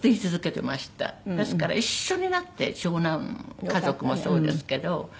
ですから一緒になって長男家族もそうですけど。